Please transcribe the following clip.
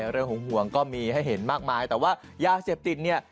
เรื่องของห่วงก็มีให้เห็นมากมายแต่ว่ายาเสพติดเนี่ย